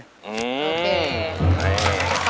โอเค